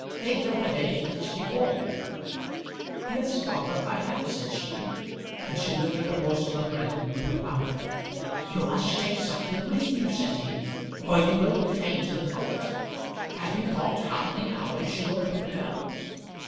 Think of the day that is before you." "Yes, father, I have," said she, and she lifted a morsel of bread to her mouth. "You must take something with you," said he, "or you will be faint in the court. Have you thought how many hours you will be there?"